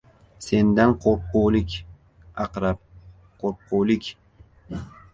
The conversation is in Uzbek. — Sendan qo‘rqqulik, Aqrab, qo‘rqqulik!